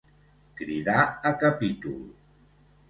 Cridar a capítol.